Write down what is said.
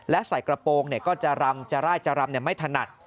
และใส่กระโปรงก็จะรำจะไล่จะรำไม่ถนัด